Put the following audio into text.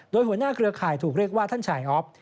โดยหัวหน้าเครือข่ายถูกเรียกว่าท่านชายอ๊อฟ